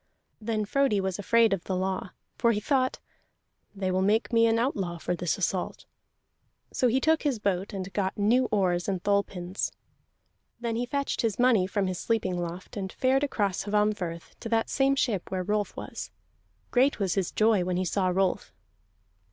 Then Frodi was afraid of the law, for he thought: "They will make me an outlaw for this assault." So he took his boat, and got new oars and thole pins. Then he fetched his money from his sleeping loft, and fared across Hvammfirth to that same ship where Rolf was. Great was his joy when he saw Rolf.